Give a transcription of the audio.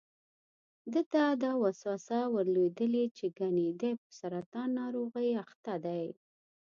ده ته دا وسوسه ور لوېدلې چې ګني دی په سرطان ناروغۍ اخته دی.